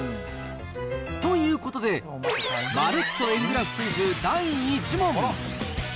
ということで、まるっと円グラフクイズ第１問。